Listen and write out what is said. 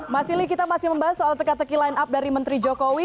mas silih kita masih membahas soal teka teki line up dari menteri jokowi